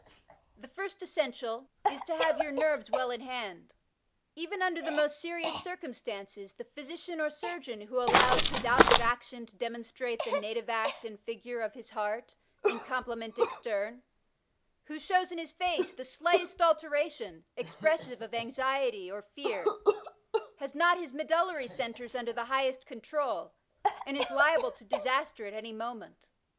The first essential is to have your nerves well in hand. Even under the most serious circumstances, the physician or surgeon who allows ''his outward action to demon strate the native act and figure of his heart in complement extern," who shows in his face the slightest alteration, expressive of anxiety or fear, has not his medullary centres under the highest control, and is liable to disaster at any moment.